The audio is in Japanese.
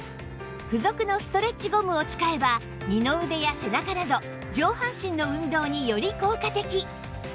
付属のストレッチゴムを使えば二の腕や背中など上半身の運動により効果的